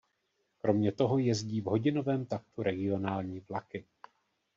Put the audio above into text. Kromě toho jezdí v hodinovém taktu regionální vlaky.